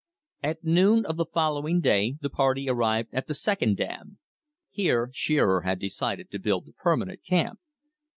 At noon of the following day the party arrived at the second dam. Here Shearer had decided to build the permanent camp.